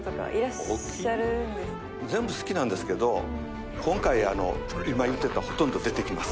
全部好きなんですけど今回あの今言ってたほとんど出てきます。